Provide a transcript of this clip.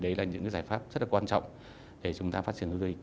đấy là những giải pháp rất là quan trọng để chúng ta phát triển du lịch